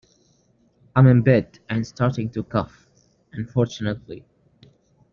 I'm in bed and starting to cough, unfortunately.